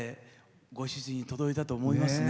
ご主人に届いたと思いますね